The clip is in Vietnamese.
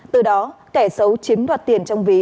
từ đó kẻ xấu chiếm đoạt tiền trong ví